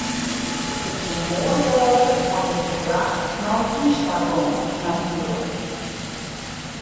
It soe moai wêze at it bedrach nei ús ta gong natuerlik.